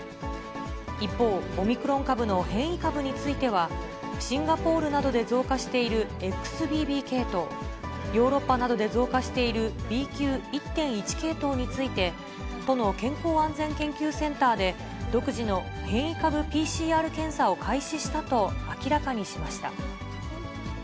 一方、オミクロン株の変異株については、シンガポールなどで増加しているＸＢＢ系統、ヨーロッパなどで増加しているＢＱ．１．１系統について、都の健康安全研究センターで、独自の変異株ＰＣＲ検査を開始したと明らかにしました。